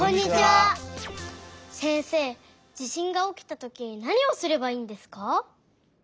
せんせい地しんがおきたときなにをすればいいんですか？